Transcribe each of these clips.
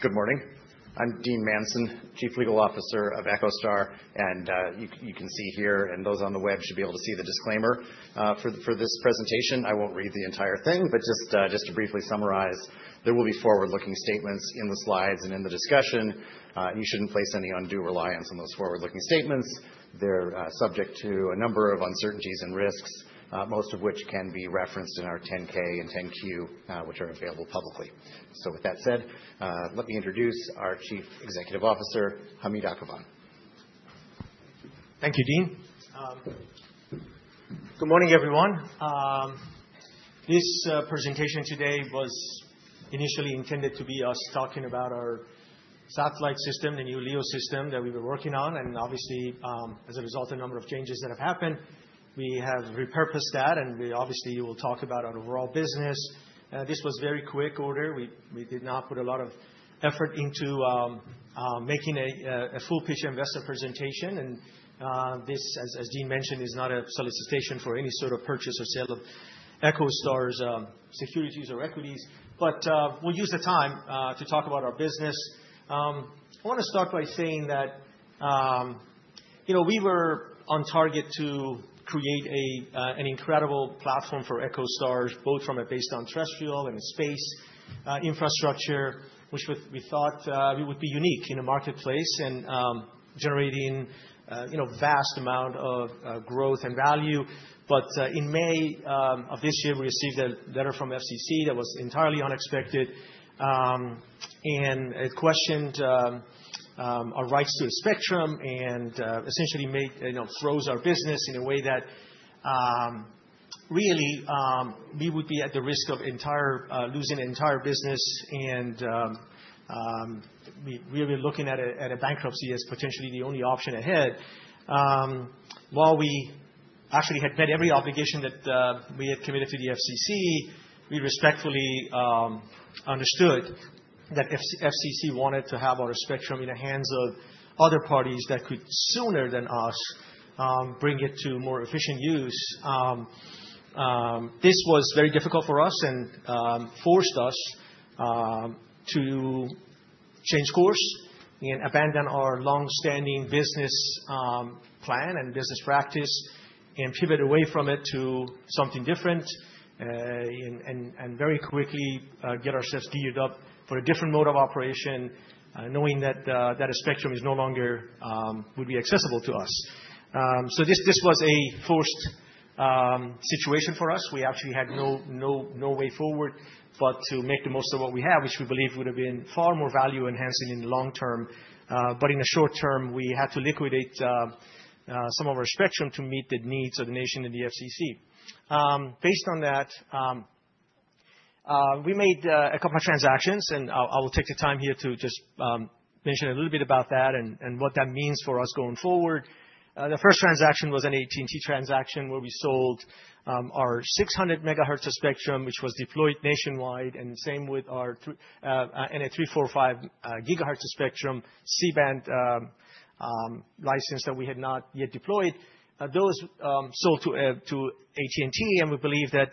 Good morning. I'm Dean Manson, Chief Legal Officer of EchoStar, and you can see here, and those on the web should be able to see the disclaimer for this presentation. I won't read the entire thing, but just to briefly summarize, there will be forward-looking statements in the slides and in the discussion. You shouldn't place any undue reliance on those forward-looking statements. They're subject to a number of uncertainties and risks, most of which can be referenced in our 10-K and 10-Q, which are available publicly. So, with that said, let me introduce our Chief Executive Officer, Hamid Akhavan. Thank you, Dean. Good morning, everyone. This presentation today was initially intended to be us talking about our satellite system, the new LEO system that we were working on, and obviously, as a result of a number of changes that have happened, we have repurposed that, and obviously, we'll talk about our overall business. This was a very quick order. We did not put a lot of effort into making a full pitch investor presentation, and this, as Dean mentioned, is not a solicitation for any sort of purchase or sale of EchoStar's securities or equities, but we'll use the time to talk about our business. I want to start by saying that we were on target to create an incredible platform for EchoStar, both from a based on terrestrial and a space infrastructure, which we thought would be unique in the marketplace and generating a vast amount of growth and value. But in May of this year, we received a letter from SEC that was entirely unexpected, and it questioned our rights to the spectrum and essentially froze our business in a way that really we would be at the risk of losing an entire business and really looking at a bankruptcy as potentially the only option ahead. While we actually had met every obligation that we had committed to the SEC, we respectfully understood that SEC wanted to have our spectrum in the hands of other parties that could, sooner than us, bring it to more efficient use. This was very difficult for us and forced us to change course and abandon our long-standing business plan and business practice and pivot away from it to something different and very quickly get ourselves geared up for a different mode of operation, knowing that that spectrum is no longer would be accessible to us, so this was a forced situation for us. We actually had no way forward but to make the most of what we have, which we believe would have been far more value-enhancing in the long term, but in the short term, we had to liquidate some of our spectrum to meet the needs of the nation and the SEC. Based on that, we made a couple of transactions, and I will take the time here to just mention a little bit about that and what that means for us going forward. The first transaction was an AT&T transaction where we sold our 600 megahertz of spectrum, which was deployed nationwide, and same with our 3.45 gigahertz of spectrum C-Band license that we had not yet deployed. Those sold to AT&T, and we believe that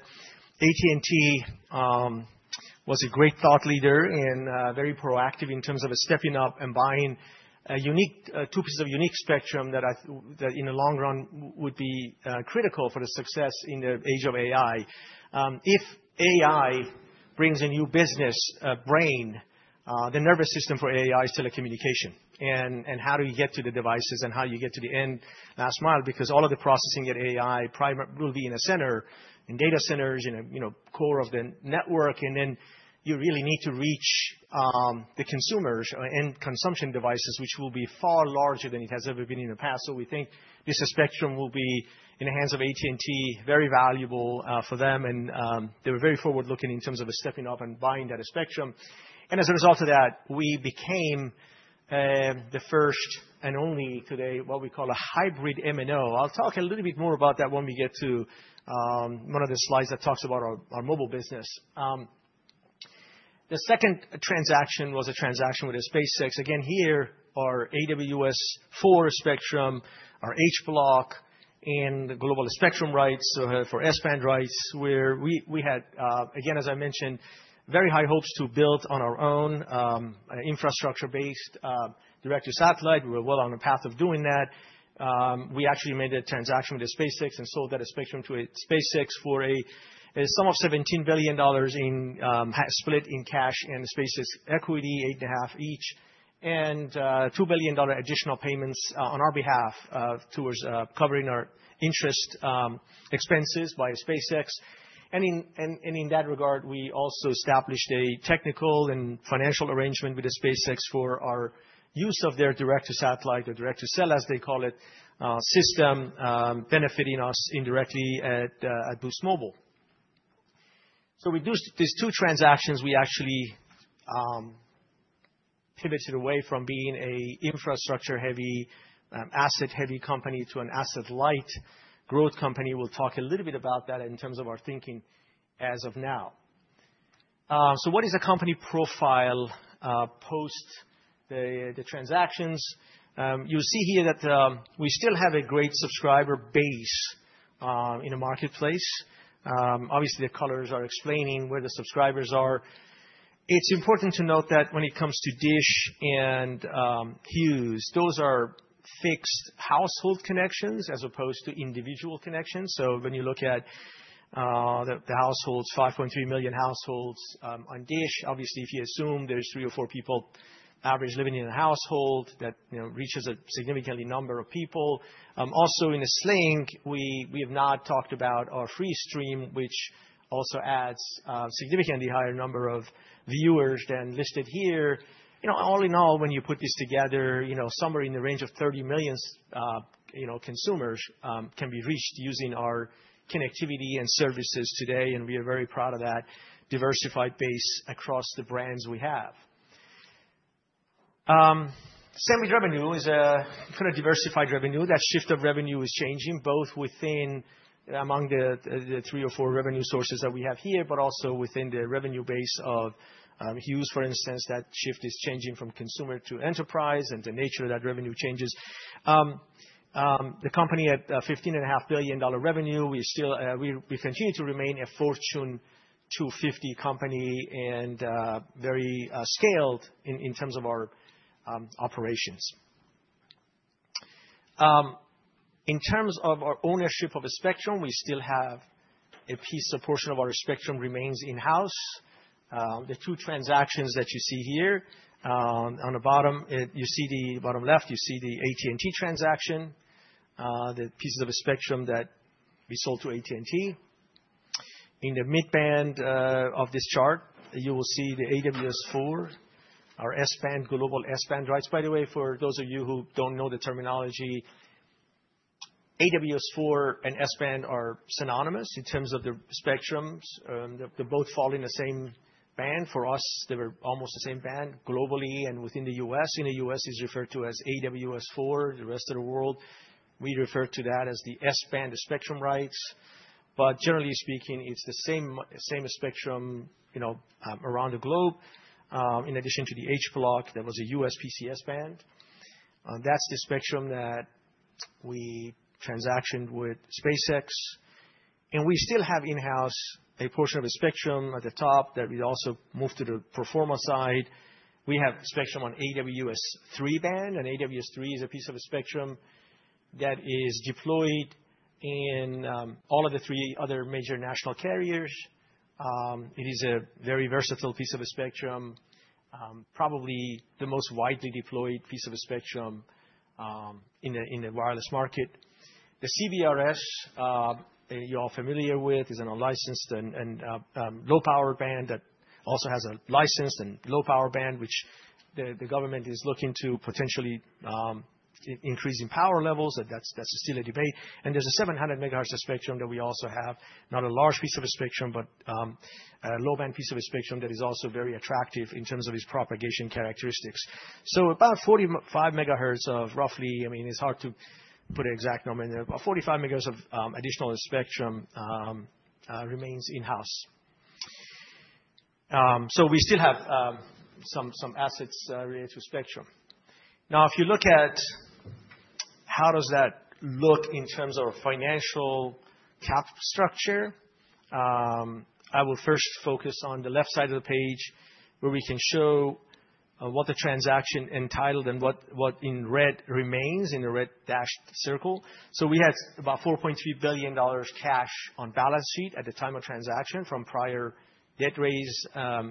AT&T was a great thought leader and very proactive in terms of stepping up and buying two pieces of unique spectrum that in the long run would be critical for the success in the age of AI. If AI brings a new business brain, the nervous system for AI is telecommunication. How do you get to the devices and how do you get to the last mile? Because all of the processing at AI will be in a center, in data centers, in a core of the network, and then you really need to reach the consumers and consumption devices, which will be far larger than it has ever been in the past. So we think this spectrum will be in the hands of AT&T, very valuable for them, and they were very forward-looking in terms of stepping up and buying that spectrum. As a result of that, we became the first and only today what we call a hybrid MNO. I'll talk a little bit more about that when we get to one of the slides that talks about our mobile business. The second transaction was a transaction with SpaceX. Again, here are AWS-4 spectrum, our H-Block, and the global spectrum rights for S-band rights, where we had, again, as I mentioned, very high hopes to build on our own infrastructure-based direct-to-satellite. We were well on the path of doing that. We actually made a transaction with SpaceX and sold that spectrum to SpaceX for a sum of $17 billion split in cash and SpaceX equity, $8.5 billion each, and $2 billion additional payments on our behalf towards covering our interest expenses by SpaceX, and in that regard, we also established a technical and financial arrangement with SpaceX for our use of their Direct-to-Satellite, their Direct-to-Cell, as they call it, system benefiting us indirectly at Boost Mobile, so with these two transactions, we actually pivoted away from being an infrastructure-heavy, asset-heavy company to an asset-light growth company. We'll talk a little bit about that in terms of our thinking as of now. So what is a company profile post the transactions? You'll see here that we still have a great subscriber base in the marketplace. Obviously, the colors are explaining where the subscribers are. It's important to note that when it comes to DISH and Hughes, those are fixed household connections as opposed to individual connections. So when you look at the households, 5.3 million households on DISH, obviously, if you assume there's three or four people average living in a household, that reaches a significant number of people. Also, in the Sling, we have not talked about our Freestream, which also adds a significantly higher number of viewers than listed here. All in all, when you put this together, somewhere in the range of 30 million consumers can be reached using our connectivity and services today, and we are very proud of that diversified base across the brands we have. SEMrevenue is a kind of diversified revenue. That shift of revenue is changing both within among the three or four revenue sources that we have here, but also within the revenue base of Hughes, for instance. That shift is changing from consumer to enterprise and the nature of that revenue changes. The company at $15.5 billion revenue, we continue to remain a Fortune 250 company and very scaled in terms of our operations. In terms of our ownership of a spectrum, we still have a piece or portion of our spectrum remains in-house. The two transactions that you see here on the bottom, you see the bottom left, you see the AT&T transaction, the pieces of a spectrum that we sold to AT&T. In the mid-band of this chart, you will see the AWS-4, our S-band, global S-band rights, by the way. For those of you who don't know the terminology, AWS-4 and S-band are synonymous in terms of the spectrums. They both fall in the same band. For us, they were almost the same band globally and within the U.S. In the U.S., it's referred to as AWS-4. The rest of the world, we refer to that as the S-band, the spectrum rights. But generally speaking, it's the same spectrum around the globe. In addition to the H-Block, that was a U.S. PCS band. That's the spectrum that we transacted with SpaceX. We still have in-house a portion of spectrum at the top that we also moved to the pro forma side. We have spectrum on AWS-3 band, and AWS-3 is a piece of spectrum that is deployed in all of the three other major national carriers. It is a very versatile piece of spectrum, probably the most widely deployed piece of spectrum in the wireless market. The CBRS, you're all familiar with, is an unlicensed and low-power band that also has a licensed and low-power band, which the government is looking to potentially increase in power levels. That's still a debate. There's 700 MHz of spectrum that we also have, not a large piece of spectrum, but a low-band piece of spectrum that is also very attractive in terms of its propagation characteristics. So about 45 megahertz of roughly, I mean, it's hard to put an exact number in there, but 45 megahertz of additional spectrum remains in-house. So we still have some assets related to spectrum. Now, if you look at how does that look in terms of our financial capital structure, I will first focus on the left side of the page where we can show what the transaction entailed and what in red remains in the red dashed circle. So we had about $4.3 billion cash on balance sheet at the time of transaction from prior debt raise that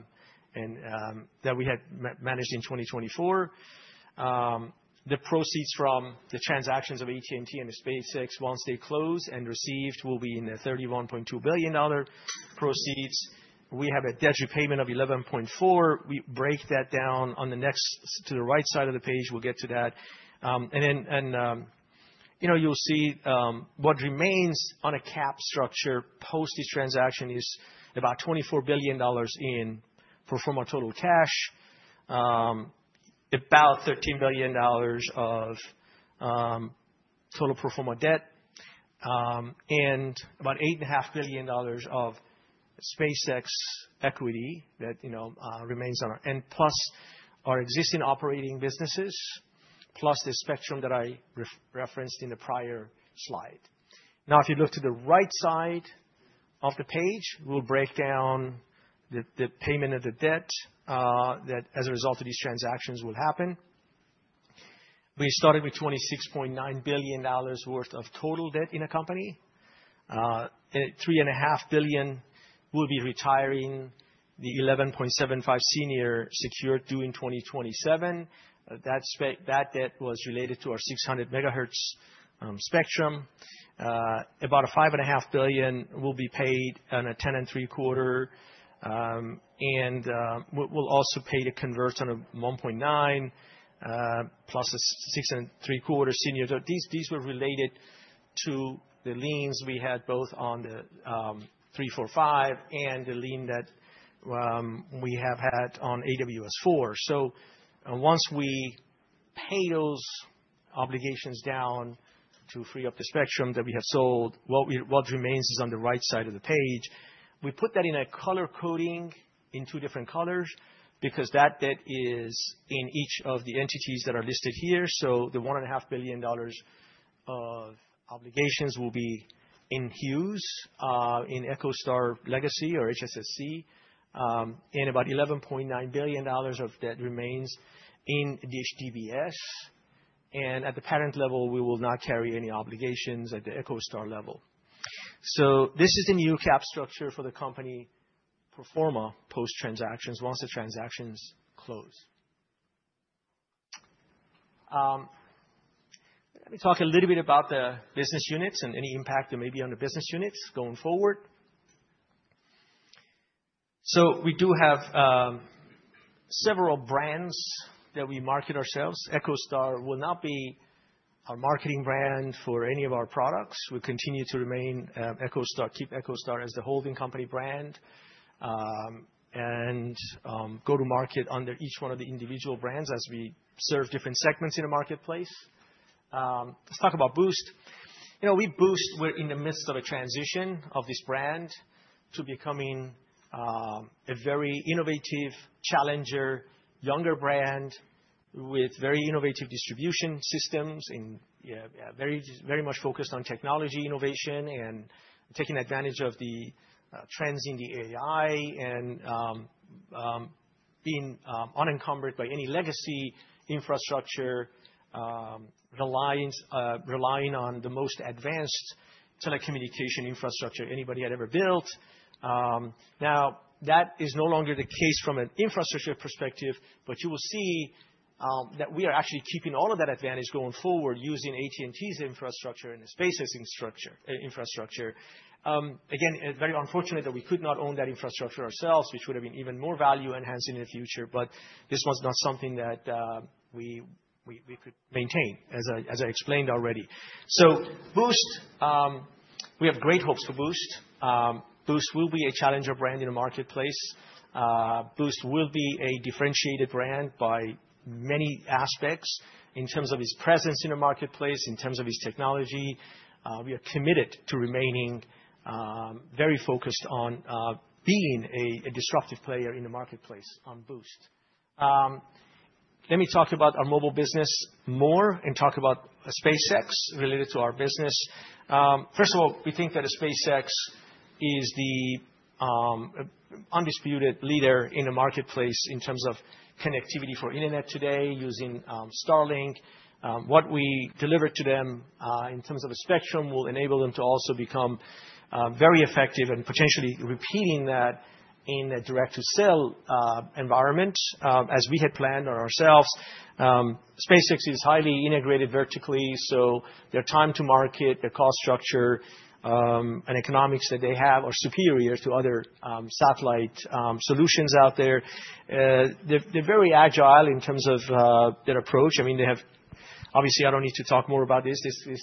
we had managed in 2024. The proceeds from the transactions of AT&T and SpaceX, once they close and received, will be in the $31.2 billion proceeds. We have a debt repayment of $11.4. We break that down on the next to the right side of the page. We'll get to that. And then you'll see what remains on a capital structure post this transaction is about $24 billion in pro forma total cash, about $13 billion of total pro forma debt, and about $8.5 billion of SpaceX equity that remains on our end, plus our existing operating businesses, plus the spectrum that I referenced in the prior slide. Now, if you look to the right side of the page, we'll break down the payment of the debt that as a result of these transactions will happen. We started with $26.9 billion worth of total debt in a company. $3.5 billion will be retiring the 11.75 senior secured due in 2027. That debt was related to our 600 megahertz spectrum. About $5.5 billion will be paid on a 10 and three-quarter, and we'll also pay the converts on a 1.9 plus a 6 and three-quarter senior. These were related to the liens we had both on the 345 and the lien that we have had on AWS-4. So once we pay those obligations down to free up the spectrum that we have sold, what remains is on the right side of the page. We put that in a color coding in two different colors because that debt is in each of the entities that are listed here. So the $1.5 billion of obligations will be in Hughes, in EchoStar Legacy or HSSC, and about $11.9 billion of debt remains in DISH DBS. And at the parent level, we will not carry any obligations at the EchoStar level. So this is the new cap structure for the company pro forma post transactions once the transactions close. Let me talk a little bit about the business units and any impact that may be on the business units going forward. We do have several brands that we market ourselves. EchoStar will not be our marketing brand for any of our products. We continue to remain EchoStar, keep EchoStar as the holding company brand and go to market under each one of the individual brands as we serve different segments in the marketplace. Let's talk about Boost. We're in the midst of a transition of this brand to becoming a very innovative, challenger, younger brand with very innovative distribution systems and very much focused on technology innovation and taking advantage of the trends in the AI and being unencumbered by any legacy infrastructure, relying on the most advanced telecommunication infrastructure anybody had ever built. Now, that is no longer the case from an infrastructure perspective, but you will see that we are actually keeping all of that advantage going forward using AT&T's infrastructure and SpaceX's infrastructure. Again, very unfortunate that we could not own that infrastructure ourselves, which would have been even more value-enhancing in the future, but this was not something that we could maintain as I explained already. So Boost, we have great hopes for Boost. Boost will be a challenger brand in the marketplace. Boost will be a differentiated brand by many aspects in terms of its presence in the marketplace, in terms of its technology. We are committed to remaining very focused on being a disruptive player in the marketplace on Boost. Let me talk about our mobile business more and talk about SpaceX related to our business. First of all, we think that SpaceX is the undisputed leader in the marketplace in terms of connectivity for internet today using Starlink. What we delivered to them in terms of a spectrum will enable them to also become very effective and potentially repeating that in a direct-to-cell environment as we had planned on ourselves. SpaceX is highly integrated vertically, so their time to market, their cost structure, and economics that they have are superior to other satellite solutions out there. They're very agile in terms of their approach. I mean, they have obviously, I don't need to talk more about this.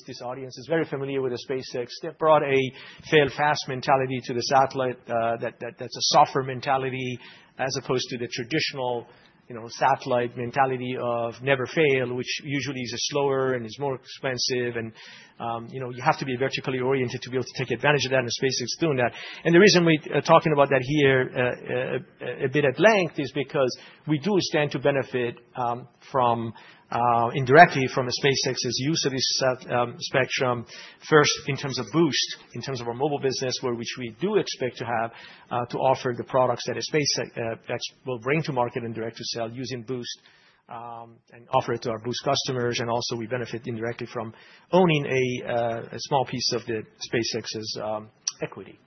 This audience is very familiar with SpaceX. They've brought a fail-fast mentality to the satellite. That's a softer mentality as opposed to the traditional satellite mentality of never fail, which usually is slower and is more expensive. And you have to be vertically oriented to be able to take advantage of that in SpaceX doing that. And the reason we're talking about that here a bit at length is because we do stand to benefit indirectly from SpaceX's use of this spectrum, first in terms of Boost, in terms of our mobile business, which we do expect to have to offer the products that SpaceX will bring to market and direct-to-cell using Boost and offer it to our Boost customers. And also, we benefit indirectly from owning a small piece of SpaceX's equity.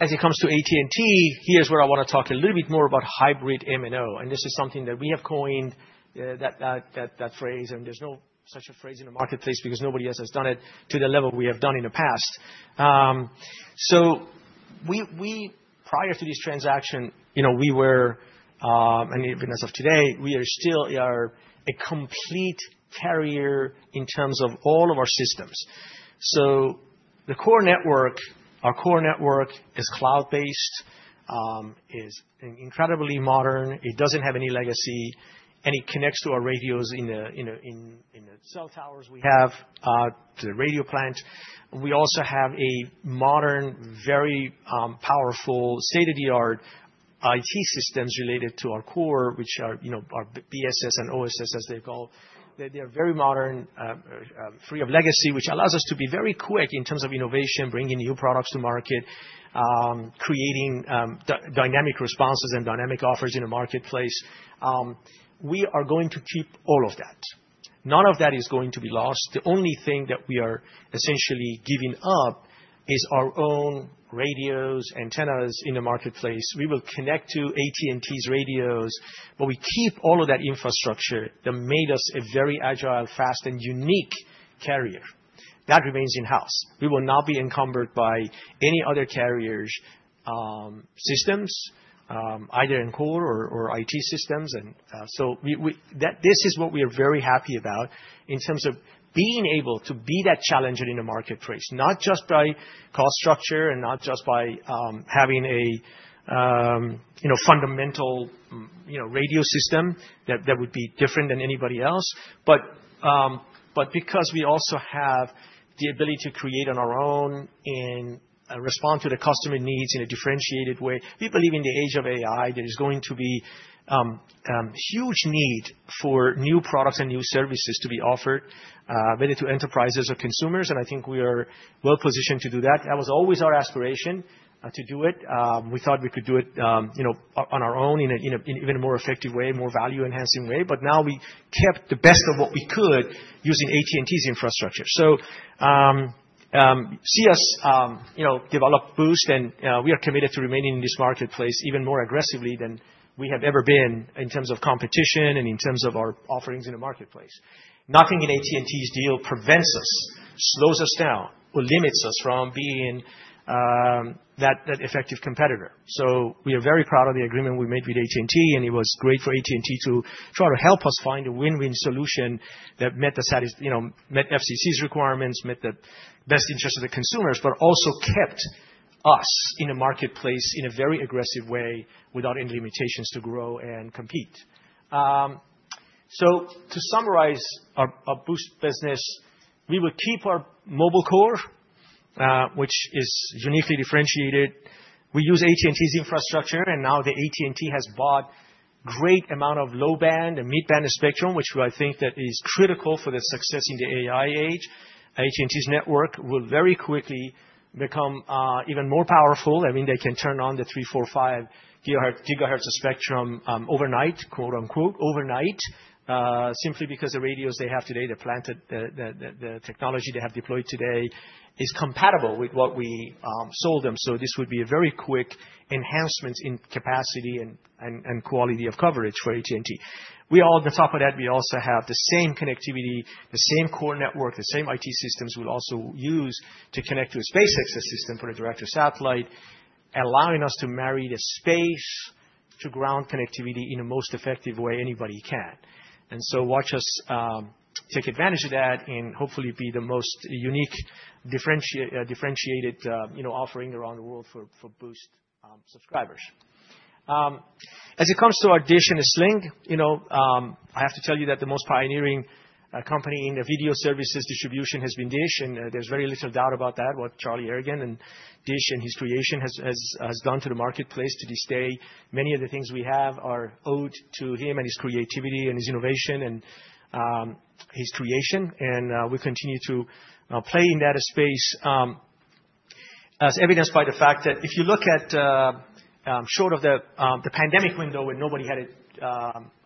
As it comes to AT&T, here's where I want to talk a little bit more about hybrid MNO. And this is something that we have coined that phrase, and there's no such phrase in the marketplace because nobody else has done it to the level we have done in the past. So prior to this transaction, we were, and even as of today, we are still a complete carrier in terms of all of our systems. So the core network, our core network is cloud-based, is incredibly modern. It doesn't have any legacy, and it connects to our radios in the cell towers we have, the radio plant. We also have a modern, very powerful state-of-the-art IT systems related to our core, which are BSS and OSS, as they're called. They're very modern, free of legacy, which allows us to be very quick in terms of innovation, bringing new products to market, creating dynamic responses and dynamic offers in the marketplace. We are going to keep all of that. None of that is going to be lost. The only thing that we are essentially giving up is our own radios, antennas in the marketplace. We will connect to AT&T's radios, but we keep all of that infrastructure that made us a very agile, fast, and unique carrier. That remains in-house. We will not be encumbered by any other carriers' systems, either in core or IT systems, and so this is what we are very happy about in terms of being able to be that challenger in the marketplace, not just by cost structure and not just by having a fundamental radio system that would be different than anybody else, but because we also have the ability to create on our own and respond to the customer needs in a differentiated way. We believe in the age of AI. There is going to be huge need for new products and new services to be offered whether to enterprises or consumers, and I think we are well-positioned to do that. That was always our aspiration to do it. We thought we could do it on our own in an even more effective way, more value-enhancing way. But now we kept the best of what we could using AT&T's infrastructure. So see us develop Boost, and we are committed to remaining in this marketplace even more aggressively than we have ever been in terms of competition and in terms of our offerings in the marketplace. Nothing in AT&T's deal prevents us, slows us down, or limits us from being that effective competitor. So we are very proud of the agreement we made with AT&T, and it was great for AT&T to try to help us find a win-win solution that met SEC's requirements, met the best interests of the consumers, but also kept us in the marketplace in a very aggressive way without any limitations to grow and compete. So to summarize our Boost business, we will keep our mobile core, which is uniquely differentiated. We use AT&T's infrastructure, and now the AT&T has bought a great amount of low-band and mid-band spectrum, which I think that is critical for the success in the AI age. AT&T's network will very quickly become even more powerful. I mean, they can turn on the 3.45 gigahertz of spectrum overnight, quote-unquote, overnight, simply because the radios they have today, the technology they have deployed today is compatible with what we sold them. So this would be a very quick enhancement in capacity and quality of coverage for AT&T. We are on the top of that. We also have the same connectivity, the same core network, the same IT systems we'll also use to connect to a SpaceX system for a direct-to-satellite, allowing us to marry the space-to-ground connectivity in the most effective way anybody can, and so watch us take advantage of that and hopefully be the most unique, differentiated offering around the world for Boost subscribers. As it comes to our DISH and Sling, I have to tell you that the most pioneering company in video services distribution has been DISH, and there's very little doubt about that. What Charlie Ergen and DISH and his creation has done to the marketplace to this day. Many of the things we have are owed to him and his creativity and his innovation and his creation. We continue to play in that space, as evidenced by the fact that if you look at short of the pandemic window when nobody had an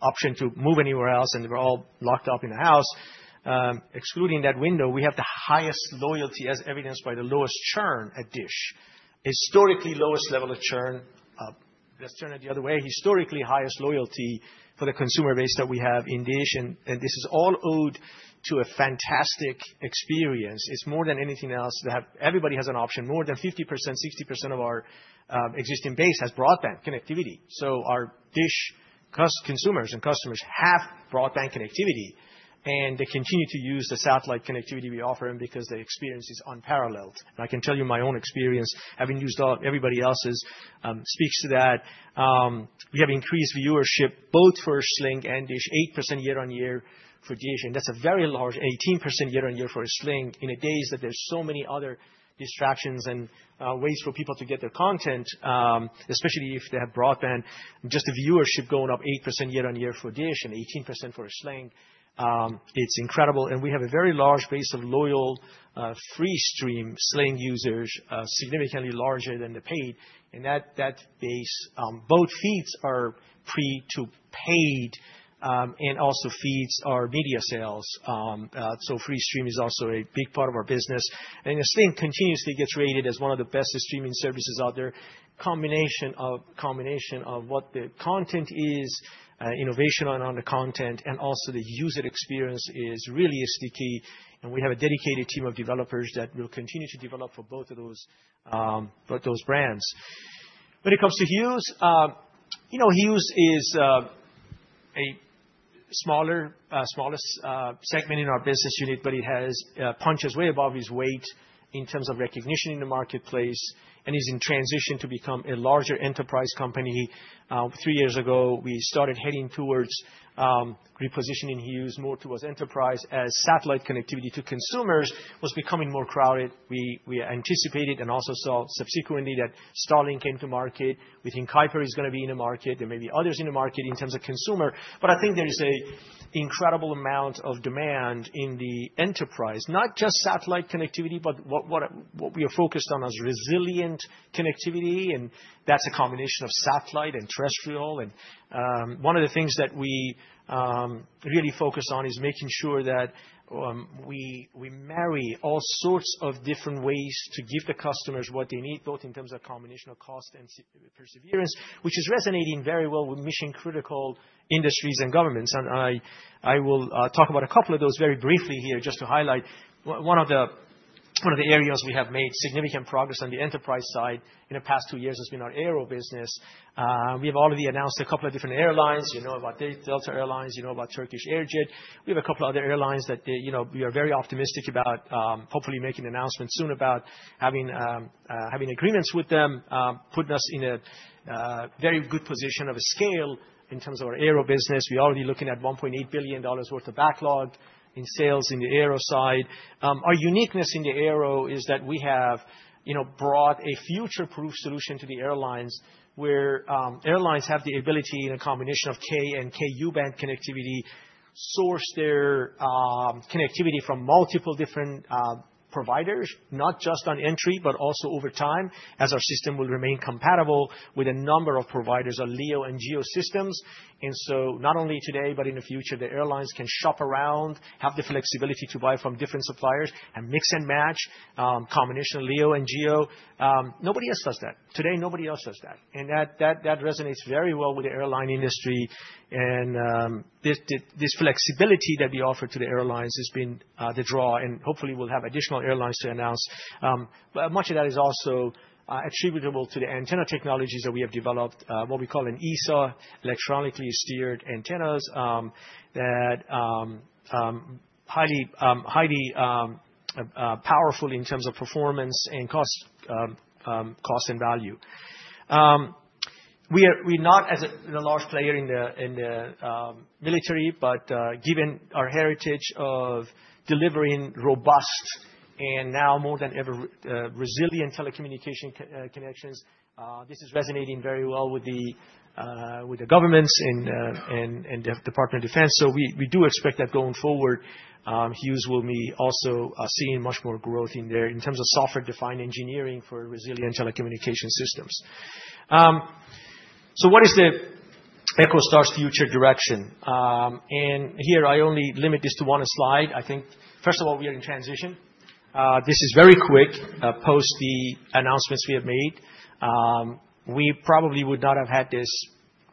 option to move anywhere else and they were all locked up in the house, excluding that window, we have the highest loyalty, as evidenced by the lowest churn at DISH, historically lowest level of churn. Let's turn it the other way. Historically highest loyalty for the consumer base that we have in DISH, and this is all owed to a fantastic experience. It's more than anything else. Everybody has an option. More than 50%, 60% of our existing base has broadband connectivity. So our DISH consumers and customers have broadband connectivity, and they continue to use the satellite connectivity we offer them because the experience is unparalleled. And I can tell you my own experience, having used everybody else's, speaks to that. We have increased viewership both for Sling and DISH, 8% year on year for DISH, and that's a very large 18% year on year for Sling in a day that there's so many other distractions and ways for people to get their content, especially if they have broadband. Just the viewership going up 8% year on year for DISH and 18% for Sling. It's incredible, and we have a very large base of loyal Sling Freestream users, significantly larger than the paid, and that base both feeds are path-to-paid and also feeds are media sales. So Freestream is also a big part of our business, and Sling continuously gets rated as one of the best streaming services out there. The combination of what the content is, innovation on the content, and also the user experience is really the key. We have a dedicated team of developers that will continue to develop for both of those brands. When it comes to Hughes, Hughes is a smaller segment in our business unit, but it has punched way above its weight in terms of recognition in the marketplace and is in transition to become a larger enterprise company. Three years ago, we started heading towards repositioning Hughes more towards enterprise as satellite connectivity to consumers was becoming more crowded. We anticipated and also saw subsequently that Starlink came to market. We think Kuiper is going to be in the market. There may be others in the market in terms of consumer. But I think there is an incredible amount of demand in the enterprise, not just satellite connectivity, but what we are focused on as resilient connectivity. That's a combination of satellite and terrestrial. One of the things that we really focus on is making sure that we marry all sorts of different ways to give the customers what they need, both in terms of combination of cost and perseverance, which is resonating very well with mission-critical industries and governments. I will talk about a couple of those very briefly here just to highlight one of the areas we have made significant progress on the enterprise side in the past two years has been our aero business. We have already announced a couple of different airlines. You know about Delta Air Lines. You know about Turkish Airlines. We have a couple of other airlines that we are very optimistic about, hopefully making announcements soon about, having agreements with them, putting us in a very good position of a scale in terms of our aero business. We're already looking at $1.8 billion worth of backlog in sales in the aero side. Our uniqueness in the aero is that we have brought a future-proof solution to the airlines where airlines have the ability in a combination of Ka and Ku-band connectivity, source their connectivity from multiple different providers, not just on entry, but also over time as our system will remain compatible with a number of providers of LEO and GEO systems, and so not only today, but in the future, the airlines can shop around, have the flexibility to buy from different suppliers and mix and match combination LEO and GEO. Nobody else does that. Today, nobody else does that, and that resonates very well with the airline industry, and this flexibility that we offer to the airlines has been the draw, and hopefully, we'll have additional airlines to announce. Much of that is also attributable to the antenna technologies that we have developed, what we call an ESA, electronically steered antennas that are highly powerful in terms of performance and cost and value. We're not a large player in the military, but given our heritage of delivering robust and now more than ever resilient telecommunication connections, this is resonating very well with the governments and the Department of Defense. So we do expect that going forward, Hughes will be also seeing much more growth in there in terms of software-defined engineering for resilient telecommunication systems. So what is the EchoStar's future direction? And here, I only limit this to one slide. I think, first of all, we are in transition. This is very quick post the announcements we have made. We probably would not have had this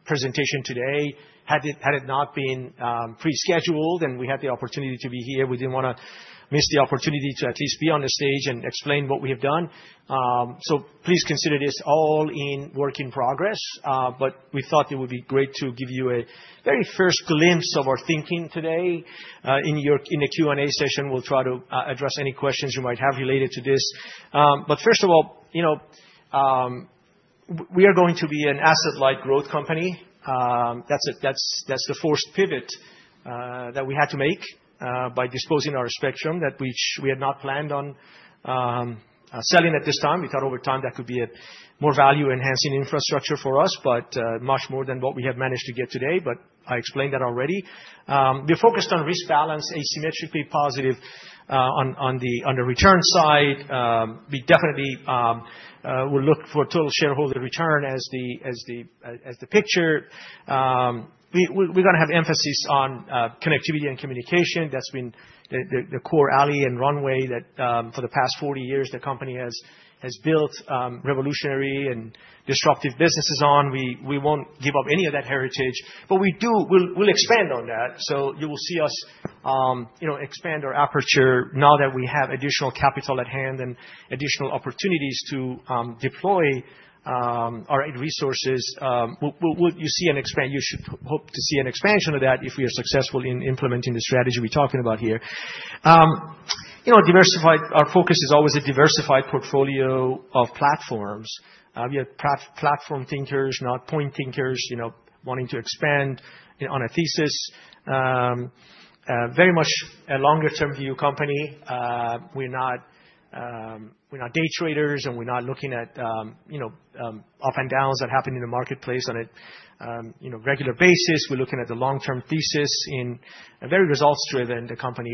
presentation today had it not been prescheduled, and we had the opportunity to be here. We didn't want to miss the opportunity to at least be on the stage and explain what we have done. So please consider this all in work in progress. But we thought it would be great to give you a very first glimpse of our thinking today. In the Q&A session, we'll try to address any questions you might have related to this. But first of all, we are going to be an asset-like growth company. That's the forced pivot that we had to make by disposing our spectrum that we had not planned on selling at this time. We thought over time that could be a more value-enhancing infrastructure for us, but much more than what we have managed to get today. But I explained that already. We're focused on risk balance, asymmetrically positive on the return side. We definitely will look for total shareholder return as the picture. We're going to have emphasis on connectivity and communication. That's been the core alley and runway that for the past 40 years the company has built revolutionary and disruptive businesses on. We won't give up any of that heritage, but we'll expand on that. So you will see us expand our aperture now that we have additional capital at hand and additional opportunities to deploy our resources. You should hope to see an expansion of that if we are successful in implementing the strategy we're talking about here. Our focus is always a diversified portfolio of platforms. We have platform thinkers, not point thinkers, wanting to expand on a thesis. Very much a longer-term view company. We're not day traders, and we're not looking at up and downs that happen in the marketplace on a regular basis. We're looking at the long-term thesis in a very results-driven company.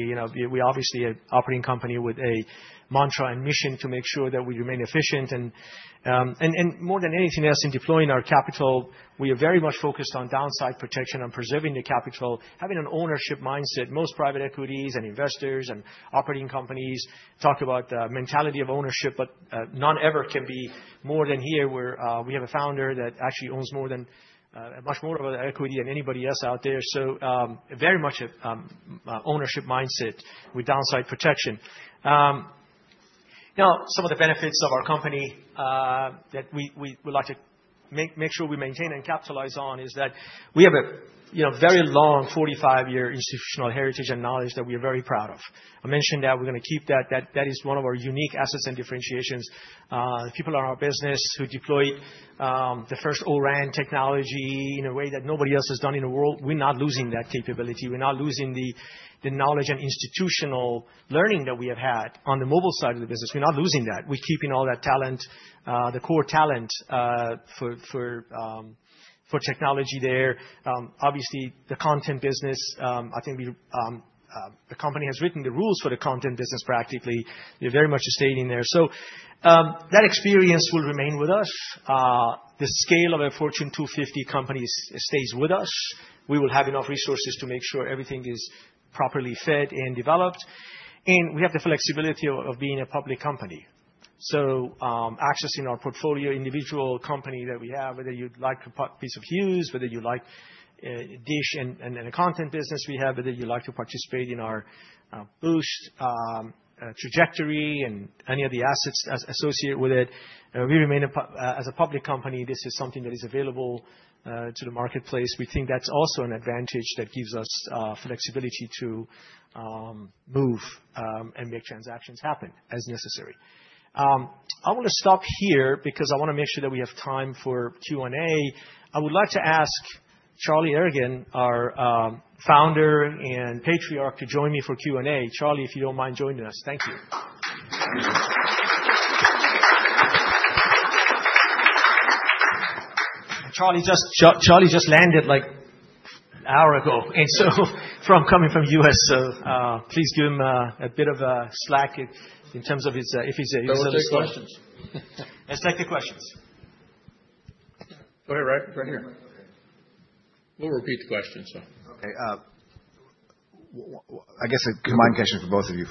We obviously are an operating company with a mantra and mission to make sure that we remain efficient, and more than anything else in deploying our capital, we are very much focused on downside protection and preserving the capital, having an ownership mindset. Most private equities and investors and operating companies talk about the mentality of ownership, but none ever can be more than here, where we have a founder that actually owns much more of an equity than anybody else out there, so very much an ownership mindset with downside protection. Now, some of the benefits of our company that we would like to make sure we maintain and capitalize on is that we have a very long 45-year institutional heritage and knowledge that we are very proud of. I mentioned that we're going to keep that. That is one of our unique assets and differentiations. People in our business who deployed the first O-RAN technology in a way that nobody else has done in the world, we're not losing that capability. We're not losing the knowledge and institutional learning that we have had on the mobile side of the business. We're not losing that. We're keeping all that talent, the core talent for technology there. Obviously, the content business, I think the company has written the rules for the content business practically. They're very much staying there. So that experience will remain with us. The scale of a Fortune 250 company stays with us. We will have enough resources to make sure everything is properly fed and developed. And we have the flexibility of being a public company. So accessing our portfolio, individual company that we have, whether you'd like a piece of Hughes, whether you like DISH and the content business we have, whether you like to participate in our Boost trajectory and any of the assets associated with it. We remain as a public company. This is something that is available to the marketplace. We think that's also an advantage that gives us flexibility to move and make transactions happen as necessary. I want to stop here because I want to make sure that we have time for Q&A. I would like to ask Charlie Ergen, our founder and patriarch, to join me for Q&A. Charlie, if you don't mind joining us. Thank you. Charlie just landed like an hour ago, and so from coming from the U.S., so please give him a bit of a slack in terms of if he's a user of the service. Let's take the questions. Go ahead, right here. We'll repeat the question, so. Okay. I guess a combined question for both of you.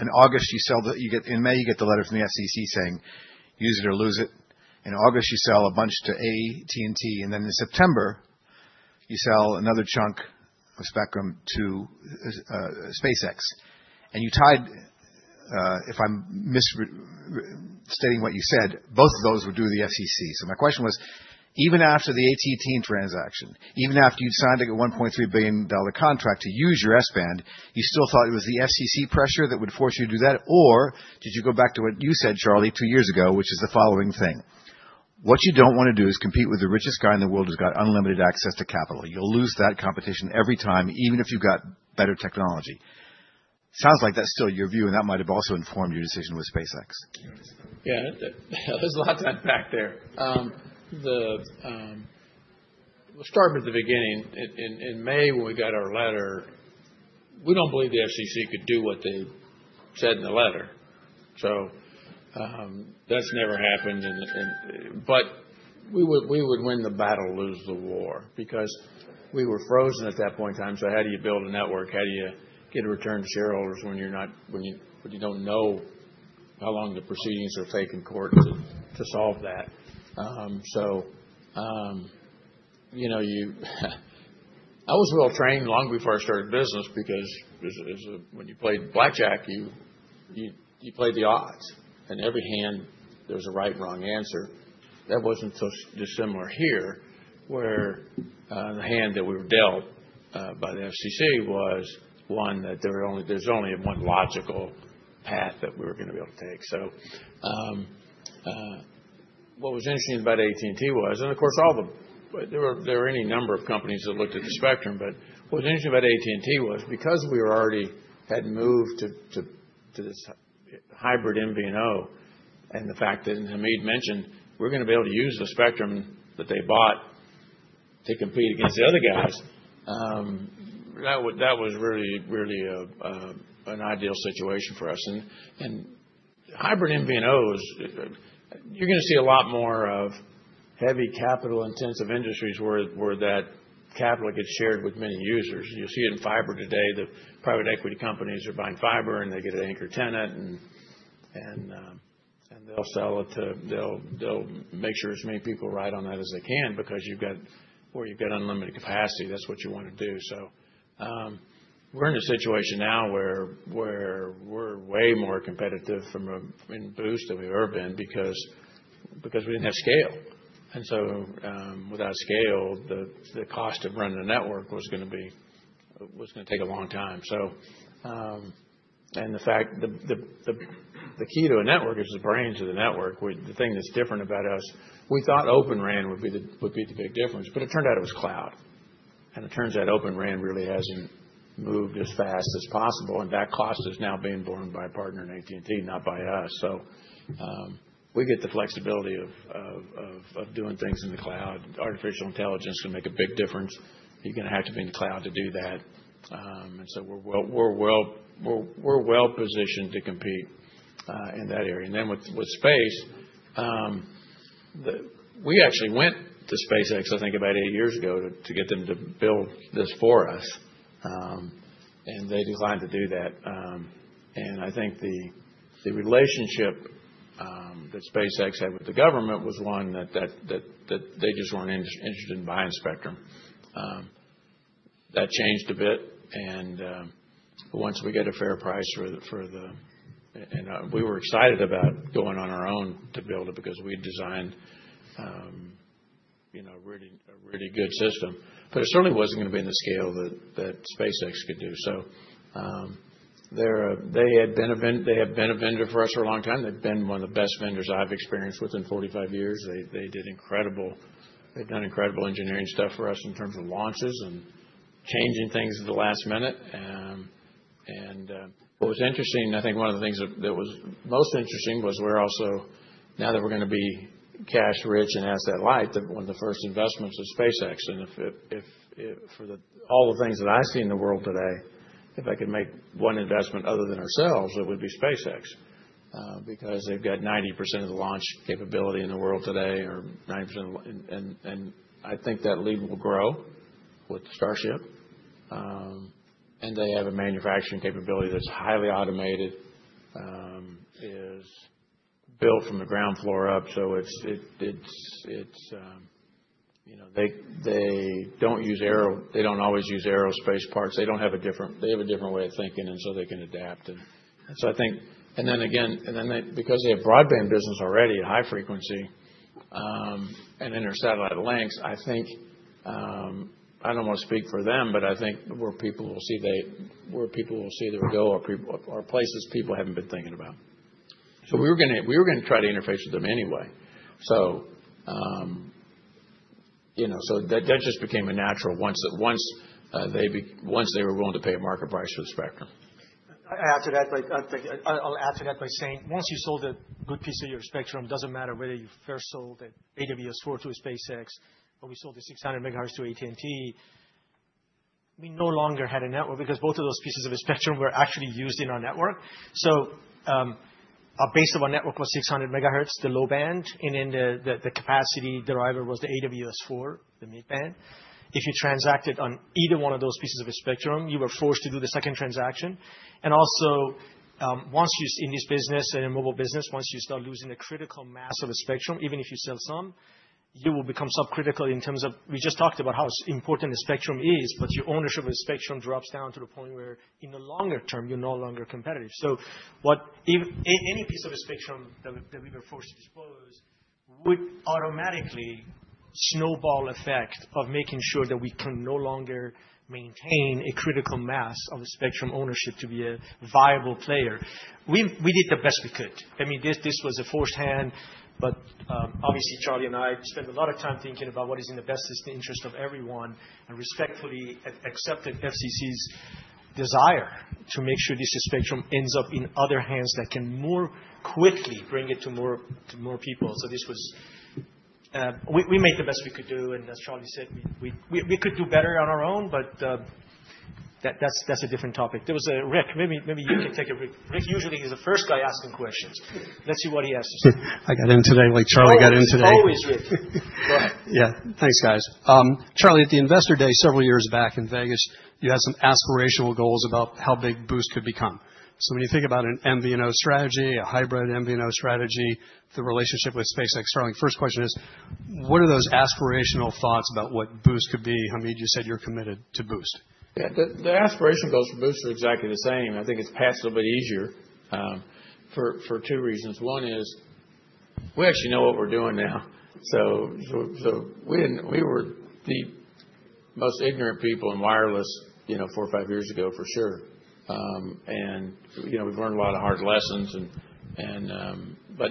In August, you sell. Then in May, you get the letter from the SEC saying, "Use it or lose it." In August, you sell a bunch to AT&T. And then in September, you sell another chunk of spectrum to SpaceX. And you said, if I'm misstating what you said, both of those were due to the SEC. So my question was, even after the AT&T transaction, even after you'd signed a $1.3 billion contract to use your S-band, you still thought it was the SEC pressure that would force you to do that? Or did you go back to what you said, Charlie, two years ago, which is the following thing? What you don't want to do is compete with the richest guy in the world who's got unlimited access to capital. You'll lose that competition every time, even if you've got better technology. Sounds like that's still your view, and that might have also informed your decision with SpaceX. Yeah. There's a lot to unpack there. We'll start with the beginning. In May, when we got our letter, we don't believe the SEC could do what they said in the letter. So that's never happened. But we would win the battle, lose the war because we were frozen at that point in time. So how do you build a network? How do you get a return to shareholders when you don't know how long the proceedings will take in court to solve that? So I was well-trained long before I started business because when you played blackjack, you played the odds. And every hand, there was a right and wrong answer. That wasn't so dissimilar here, where the hand that we were dealt by the SEC was one that there's only one logical path that we were going to be able to take. So what was interesting about AT&T was, and of course, there were any number of companies that looked at the spectrum. But what was interesting about AT&T was because we already had moved to this hybrid MVNO and the fact that Hamid mentioned, "We're going to be able to use the spectrum that they bought to compete against the other guys," that was really an ideal situation for us. And hybrid MVNOs, you're going to see a lot more of heavy capital-intensive industries where that capital gets shared with many users. You'll see it in fiber today. The private equity companies are buying fiber, and they get an anchor tenant, and they'll make sure as many people ride on that as they can because you've got unlimited capacity. That's what you want to do. So we're in a situation now where we're way more competitive in Boost than we ever been because we didn't have scale. And so without scale, the cost of running a network was going to take a long time. And the key to a network is the brains of the network. The thing that's different about us, we thought Open RAN would be the big difference, but it turned out it was cloud. And it turns out Open RAN really hasn't moved as fast as possible. And that cost is now being borne by a partner in AT&T, not by us. So we get the flexibility of doing things in the cloud. Artificial intelligence can make a big difference. You're going to have to be in the cloud to do that. And so we're well-positioned to compete in that area. And then with SpaceX, we actually went to SpaceX, I think, about eight years ago to get them to build this for us. And they declined to do that. I think the relationship that SpaceX had with the government was one that they just weren't interested in buying spectrum. That changed a bit, and once we get a fair price for the S-band and we were excited about going on our own to build it because we designed a really good system, but it certainly wasn't going to be in the scale that SpaceX could do, so they have been a vendor for us for a long time. They've been one of the best vendors I've experienced within 45 years. They've done incredible engineering stuff for us in terms of launches and changing things at the last minute, and what was interesting, and I think one of the things that was most interesting was we're also, now that we're going to be cash-rich and asset-light, one of the first investments is SpaceX. For all the things that I see in the world today, if I could make one investment other than ourselves, it would be SpaceX because they've got 90% of the launch capability in the world today or 90%. And I think that lead will grow with Starship. And they have a manufacturing capability that's highly automated, is built from the ground floor up. So they don't always use aerospace parts. They have a different way of thinking, and so they can adapt. And so I think, and then again, because they have broadband business already at high frequency and inter-satellite links, I don't want to speak for them, but I think where people will see their goal are places people haven't been thinking about. So we were going to try to interface with them anyway. That just became a natural once they were willing to pay a market price for the spectrum. I'll add to that by saying once you sold a good piece of your spectrum, it doesn't matter whether you first sold the AWS-4 to SpaceX or we sold the 600 megahertz to AT&T. We no longer had a network because both of those pieces of the spectrum were actually used in our network. Our base of our network was 600 megahertz, the low band. And then the capacity driver was the AWS-4, the mid-band. If you transacted on either one of those pieces of the spectrum, you were forced to do the second transaction. And also, once you're in this business and in the mobile business, once you start losing the critical mass of the spectrum, even if you sell some, you will become subcritical in terms of what we just talked about, how important the spectrum is, but your ownership of the spectrum drops down to the point where, in the longer term, you're no longer competitive. So any piece of the spectrum that we were forced to dispose would automatically snowball the effect of making sure that we can no longer maintain a critical mass of the spectrum ownership to be a viable player. We did the best we could. I mean, this was a forced hand, but obviously, Charlie and I spent a lot of time thinking about what is in the best interest of everyone and respectfully accepted SEC's desire to make sure this spectrum ends up in other hands that can more quickly bring it to more people, so we made the best we could do, and as Charlie said, we could do better on our own, but that's a different topic. There was a Rick. Maybe you can take a Rick. Rick usually is the first guy asking questions. Let's see what he has to say. I got in today like Charlie got in today. Always Rick. Go ahead. Yeah. Thanks, guys. Charlie, at the Investor Day several years back in Vegas, you had some aspirational goals about how big Boost could become. So when you think about an MVNO strategy, a hybrid MVNO strategy, the relationship with SpaceX, Starlink, first question is, what are those aspirational thoughts about what Boost could be? Hamid, you said you're committed to Boost. Yeah. The aspiration goals for Boost are exactly the same. I think it's past a little bit easier for two reasons. One is we actually know what we're doing now. So we were the most ignorant people in wireless four or five years ago, for sure. And we've learned a lot of hard lessons. But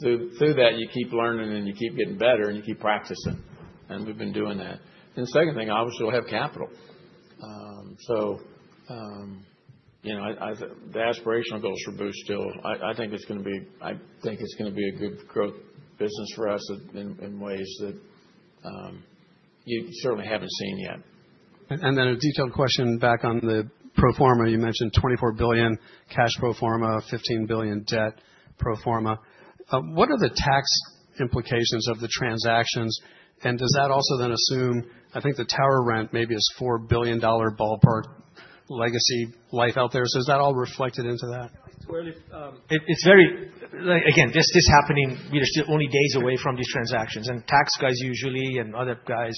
through that, you keep learning, and you keep getting better, and you keep practicing. And we've been doing that. And the second thing, obviously, we'll have capital. The aspirational goals for Boost. I think it's going to be a good growth business for us in ways that you certainly haven't seen yet. Then a detailed question back on the pro forma. You mentioned $24 billion cash pro forma, $15 billion debt pro forma. What are the tax implications of the transactions? Does that also then assume I think the tower rent maybe is $4 billion ballpark legacy lease out there? Is that all reflected into that? It's very again, this is happening. We are still only days away from these transactions. Tax guys usually and other guys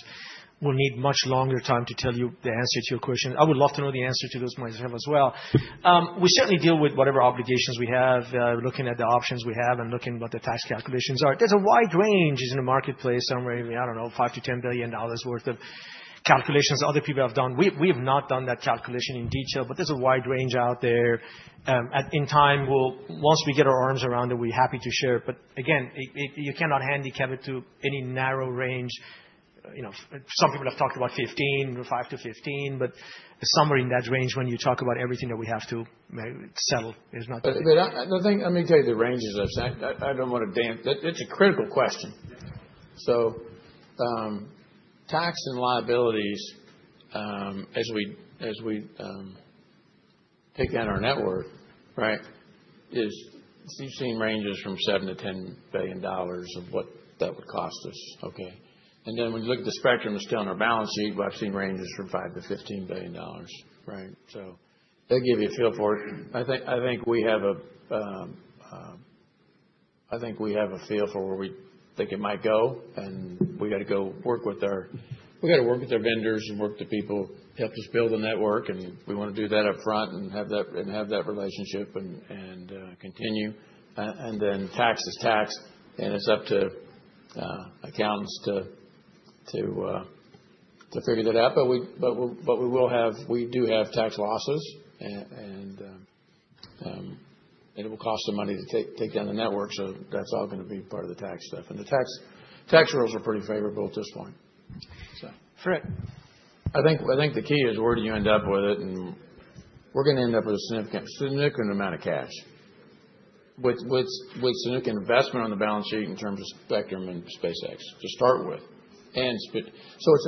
will need much longer time to tell you the answer to your question. I would love to know the answer to those myself as well. We certainly deal with whatever obligations we have, looking at the options we have and looking at what the tax calculations are. There's a wide range in the marketplace somewhere, I don't know, $5 to $10 billion worth of calculations other people have done. We have not done that calculation in detail, but there's a wide range out there. In time, once we get our arms around it, we're happy to share. But again, you cannot handicap it to any narrow range. Some people have talked about 15, 5 to 15, but somewhere in that range when you talk about everything that we have to settle, it's not. The thing I'm going to tell you, the ranges I've said, I don't want to dance. It's a critical question. So tax and liabilities, as we take down our network, right? You've seen ranges from $7 to $10 billion of what that would cost us, okay? And then when you look at the spectrum, it's still on our balance sheet, but I've seen ranges from $5 to $15 billion, right? So that'll give you a feel for it. I think we have a feel for where we think it might go. And we got to work with our vendors and work with the people who helped us build the network. And we want to do that upfront and have that relationship and continue. And then tax is tax. And it's up to accountants to figure that out. But we do have tax losses. And it will cost some money to take down the network. So that's all going to be part of the tax stuff. And the tax rules are pretty favorable at this point, so. Rick. I think the key is where do you end up with it? And we're going to end up with a significant amount of cash with significant investment on the balance sheet in terms of spectrum and SpaceX to start with. And so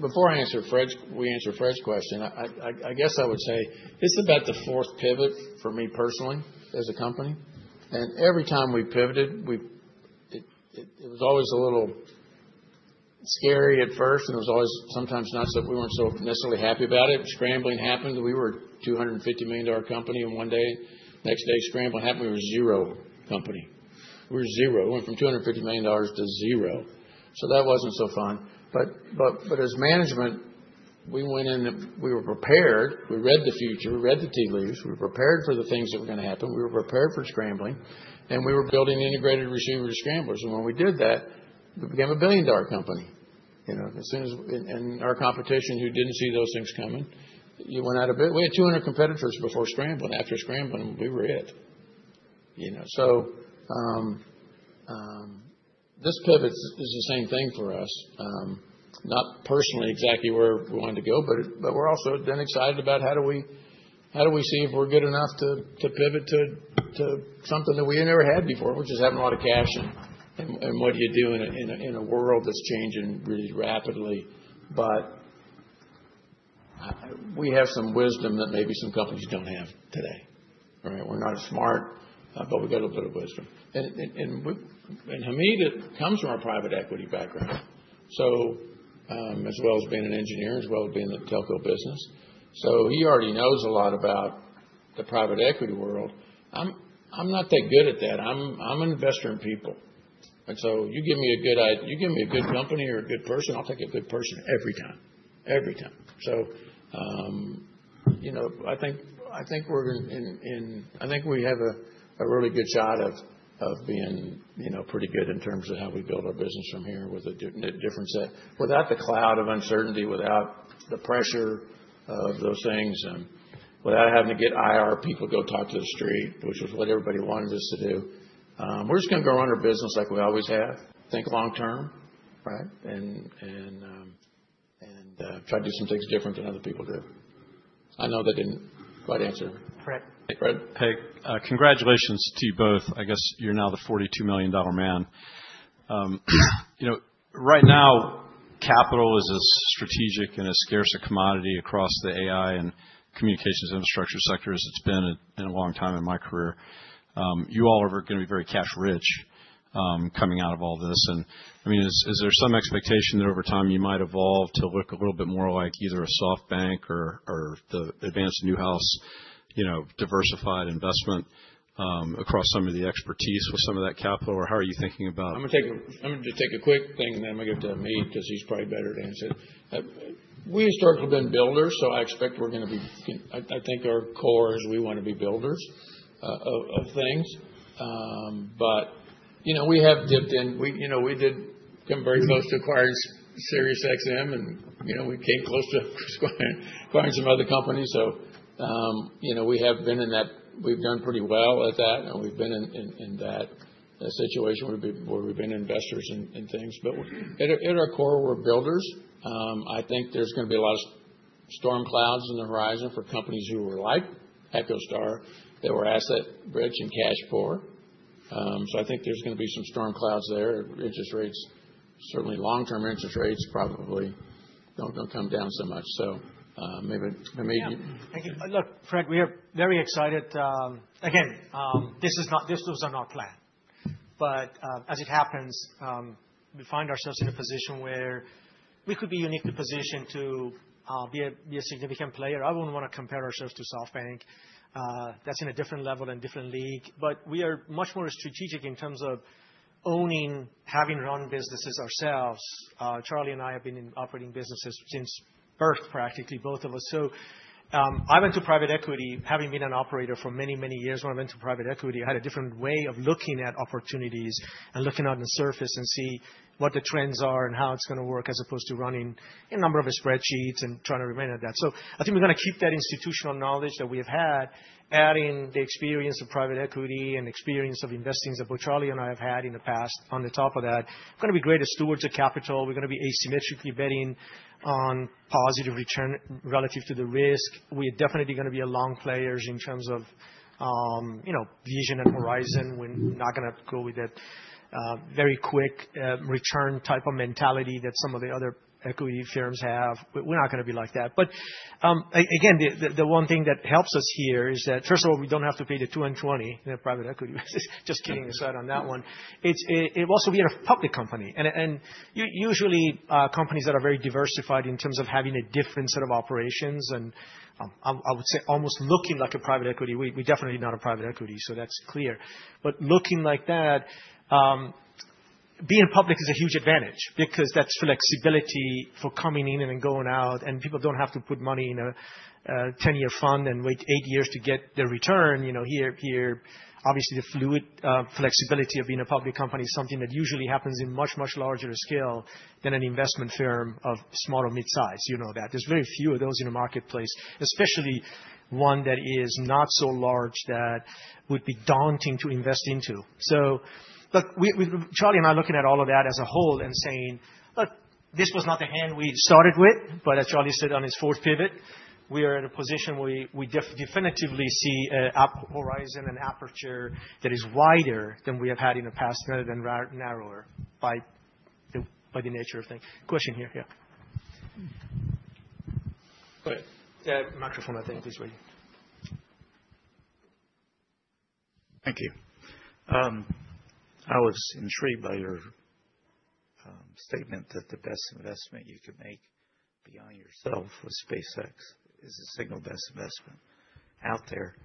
before I answer Fred's question, I guess I would say it's about the fourth pivot for me personally as a company. And every time we pivoted, it was always a little scary at first. And it was always sometimes not so we weren't so necessarily happy about it. Scrambling happened. We were a $250 million company. And one day, next day, scrambling happened. We were zero company. We were zero. We went from $250 million to zero. So that wasn't so fun. But as management, we went in. We were prepared. We read the future. We read the tea leaves. We were prepared for the things that were going to happen. We were prepared for scrambling. And we were building integrated receiver scramblers. And when we did that, we became a billion-dollar company. And our competition, who didn't see those things coming, went out of business. We had 200 competitors before scrambling. After scrambling, we were it. So this pivot is the same thing for us. Not necessarily exactly where we wanted to go, but we're also then excited about how do we see if we're good enough to pivot to something that we never had before. We're just having a lot of cash. And what do you do in a world that's changing really rapidly? But we have some wisdom that maybe some companies don't have today, right? We're not smart, but we've got a little bit of wisdom. And Hamid, it comes from our private equity background, as well as being an engineer, as well as being in the telco business. So he already knows a lot about the private equity world. I'm not that good at that. I'm an investor in people. And so you give me a good company or a good person, I'll take a good person every time. Every time. So I think we have a really good shot of being pretty good in terms of how we build our business from here with a different set without the cloud of uncertainty, without the pressure of those things, without having to get IR people to go talk to the street, which was what everybody wanted us to do. We're just going to go run our business like we always have, think long-term, right, and try to do some things different than other people do. I know that didn't quite answer. Fred. Hey. Congratulations to you both. I guess you're now the $42 million man. Right now, capital is as strategic and as scarce a commodity across the AI and communications infrastructure sector as it's been in a long time in my career. You all are going to be very cash-rich coming out of all this. And I mean, is there some expectation that over time you might evolve to look a little bit more like either a SoftBank or the Advance Newhouse diversified investment across some of the expertise with some of that capital? Or how are you thinking about? I'm going to take a quick thing, and then I'm going to give it to Hamid because he's probably better to answer it. We historically have been builders, so I expect we're going to be I think our core is we want to be builders of things. But we have dipped in. We did come very close to acquiring SiriusXM, and we came close to acquiring some other companies. So we have been in that we've done pretty well at that, and we've been in that situation where we've been investors in things. But at our core, we're builders. I think there's going to be a lot of storm clouds on the horizon for companies who are like EchoStar that we're asset-rich and cash-poor. So I think there's going to be some storm clouds there. Interest rates, certainly long-term interest rates, probably don't come down so much. So maybe Hamid. Look, Fred, we are very excited. Again, this was not our plan, but as it happens, we find ourselves in a position where we could be uniquely positioned to be a significant player. I wouldn't want to compare ourselves to SoftBank. That's in a different level and different league, but we are much more strategic in terms of owning, having run businesses ourselves. Charlie and I have been in operating businesses since birth, practically, both of us. So I went to private equity, having been an operator for many, many years. When I went to private equity, I had a different way of looking at opportunities and looking on the surface and see what the trends are and how it's going to work as opposed to running a number of spreadsheets and trying to remain at that. So I think we're going to keep that institutional knowledge that we have had, adding the experience of private equity and experience of investing that both Charlie and I have had in the past on top of that. We're going to be great stewards of capital. We're going to be asymmetrically betting on positive return relative to the risk. We are definitely going to be long players in terms of vision and horizon. We're not going to go with that very quick return type of mentality that some of the other equity firms have. We're not going to be like that. But again, the one thing that helps us here is that, first of all, we don't have to pay the 2 and 20 in a private equity business. Just kidding aside on that one. Also, we are a public company. Usually, companies that are very diversified in terms of having a different set of operations and, I would say, almost looking like a private equity, we're definitely not a private equity, so that's clear. But looking like that, being public is a huge advantage because that's flexibility for coming in and then going out. People don't have to put money in a 10-year fund and wait eight years to get their return. Here, obviously, the fluid flexibility of being a public company is something that usually happens in much, much larger scale than an investment firm of small or mid-size. You know that. There's very few of those in the marketplace, especially one that is not so large that would be daunting to invest into. So Charlie and I are looking at all of that as a whole and saying, "Look, this was not the hand we started with." But as Charlie said on his fourth pivot, we are in a position where we definitively see a horizon and aperture that is wider than we have had in the past, rather than narrower by the nature of things. Question here, yeah. Microphone, I think is ready. Thank you. I was intrigued by your statement that the best investment you could make beyond yourself with SpaceX is a single-best investment out there.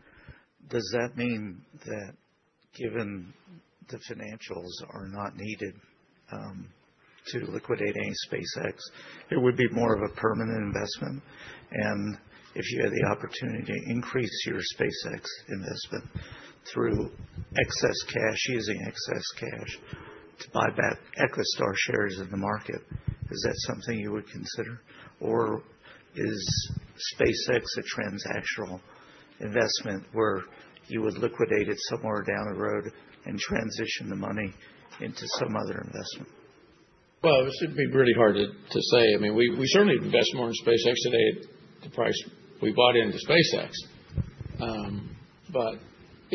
Does that mean that given the financials are not needed to liquidate any SpaceX, it would be more of a permanent investment? If you had the opportunity to increase your SpaceX investment through excess cash, using excess cash to buy back EchoStar shares in the market, is that something you would consider? Or is SpaceX a transactional investment where you would liquidate it somewhere down the road and transition the money into some other investment? Well, it would be really hard to say. I mean, we certainly invest more in SpaceX today at the price we bought into SpaceX. But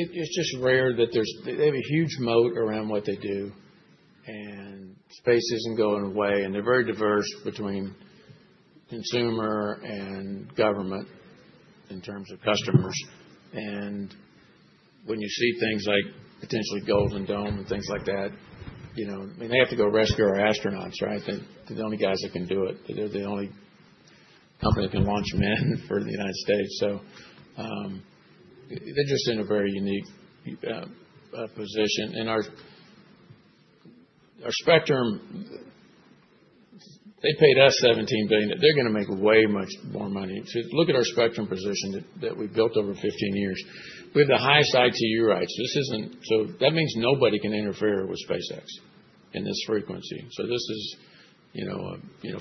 it's just rare that they have a huge moat around what they do. And space isn't going away. And they're very diverse between consumer and government in terms of customers. And when you see things like potentially Golden Dome and things like that, I mean, they have to go rescue our astronauts, right? They're the only guys that can do it. They're the only company that can launch men for the United States. So they're just in a very unique position. And our spectrum, they paid us $17 billion. They're going to make way much more money. Look at our spectrum position that we've built over 15 years. We have the highest ITU rights. So that means nobody can interfere with SpaceX in this frequency. So this is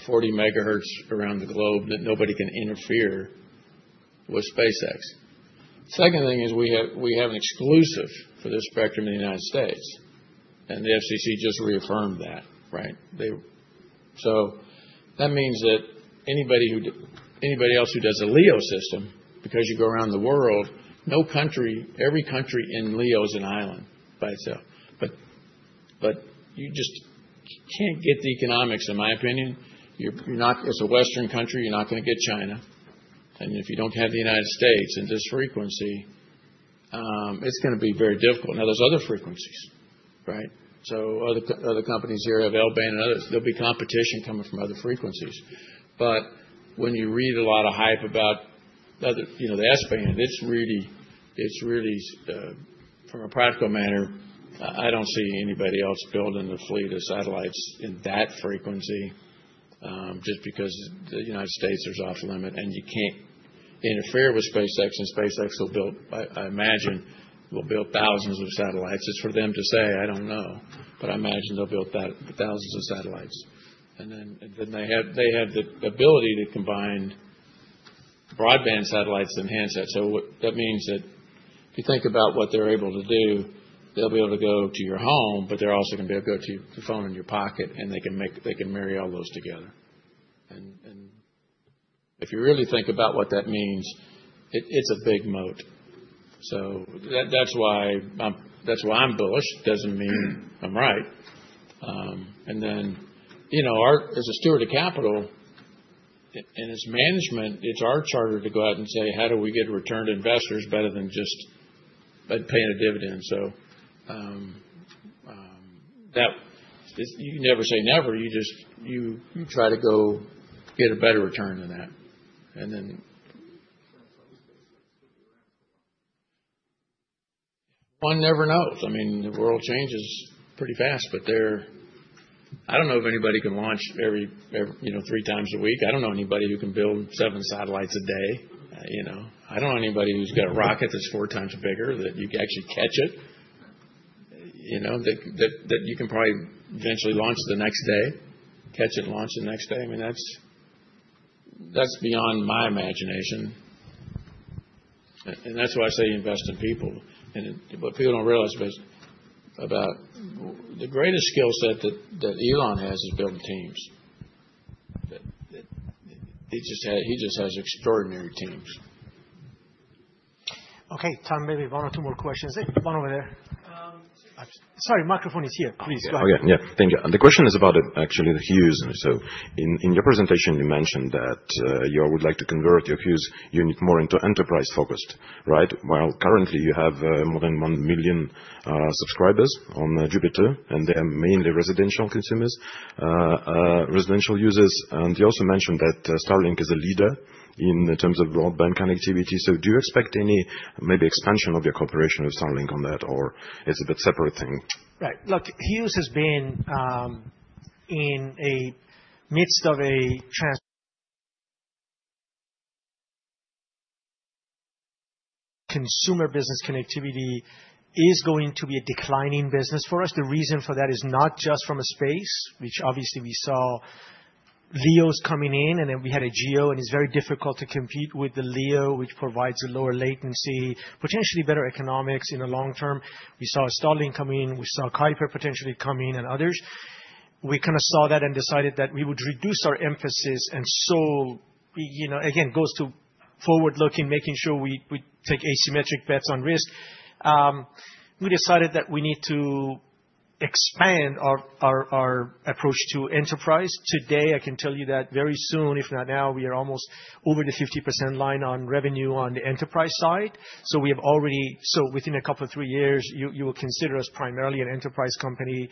40 megahertz around the globe that nobody can interfere with SpaceX. Second thing is we have an exclusive for this spectrum in the United States. And the SEC just reaffirmed that, right? So that means that anybody else who does a LEO system, because you go around the world, every country in LEO is an island by itself. But you just can't get the economics, in my opinion. As a Western country, you're not going to get China. If you don't have the United States in this frequency, it's going to be very difficult. Now, there's other frequencies, right? So other companies here have L-band and others. There'll be competition coming from other frequencies. But when you read a lot of hype about the S-band, it's really, from a practical manner, I don't see anybody else building a fleet of satellites in that frequency just because the United States is off-limits and you can't interfere with SpaceX. And SpaceX will build, I imagine, will build thousands of satellites. It's for them to say. I don't know. But I imagine they'll build thousands of satellites. And then they have the ability to combine broadband satellites to enhance that. That means that if you think about what they're able to do, they'll be able to go to your home, but they're also going to be able to go to your phone in your pocket. And they can marry all those together. And if you really think about what that means, it's a big moat. That's why I'm bullish. It doesn't mean I'm right. And then as a steward of capital and as management, it's our charter to go out and say, "How do we get returned investors better than just paying a dividend?" You never say never. You try to go get a better return than that. And then one never knows. I mean, the world changes pretty fast. But I don't know if anybody can launch every three times a week. I don't know anybody who can build seven satellites a day. I don't know anybody who's got a rocket that's four times bigger that you can actually catch it, that you can probably eventually launch the next day, catch it, launch the next day. I mean, that's beyond my imagination, and that's why I say you invest in people, but people don't realize about the greatest skill set that Elon has is building teams. He just has extraordinary teams. Okay. Time, maybe one or two more questions. One over there. Sorry. Microphone is here. Please, go ahead. Okay. Yeah. Thank you. The question is about actually the Hughes. And so in your presentation, you mentioned that you would like to convert your Hughes unit more into enterprise-focused, right? Well, currently, you have more than one million subscribers on Jupiter, and they are mainly residential consumers, residential users. And you also mentioned that Starlink is a leader in terms of broadband connectivity. So do you expect any maybe expansion of your cooperation with Starlink on that, or it's a bit separate thing? Right. Look, Hughes has been in the midst of a consumer business. Connectivity is going to be a declining business for us. The reason for that is not just from a space, which obviously we saw LEOs coming in, and then we had a GEO, and it's very difficult to compete with the LEO, which provides a lower latency, potentially better economics in the long term. We saw Starlink coming in. We saw Kuiper potentially coming in and others. We kind of saw that and decided that we would reduce our emphasis. And so, again, it goes to forward-looking, making sure we take asymmetric bets on risk. We decided that we need to expand our approach to enterprise. Today, I can tell you that very soon, if not now, we are almost over the 50% line on revenue on the enterprise side, so within a couple of three years, you will consider us primarily an enterprise company,